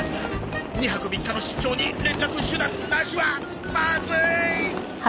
２泊３日の出張に連絡手段なしはまずい！